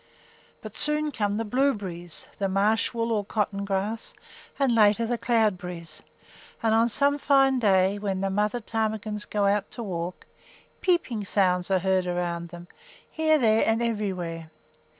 But soon come the blueberries, the marsh wool or cotton grass, and later the cloudberries; and on some fine day when the mother ptarmigans go out to walk, peeping sounds are heard around them, here, there, and everywhere.